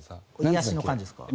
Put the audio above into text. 癒やしの感じですか？